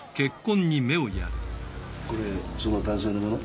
これその男性のもの？